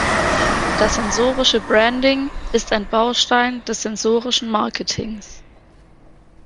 Das sensorische Branding ist ein Baustein des sensorischen Marketings.